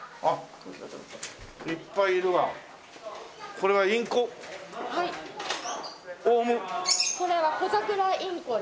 これはコザクラインコに。